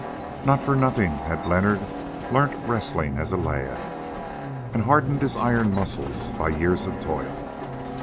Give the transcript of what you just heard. Not for nothing had Leonard learnt wrestling as a lad and hardened his iron muscles by years of toil.